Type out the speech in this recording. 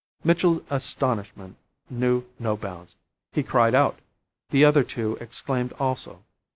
Mitchell's astonishment knew no bounds. He cried out; the other two exclaimed also.